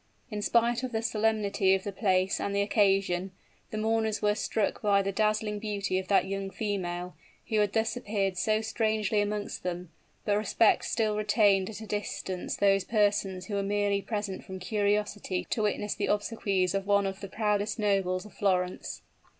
In spite of the solemnity of the place and the occasion, the mourners were struck by the dazzling beauty of that young female, who had thus appeared so strangely amongst them; but respect still retained at a distance those persons who were merely present from curiosity to witness the obsequies of one of the proudest nobles of Florence.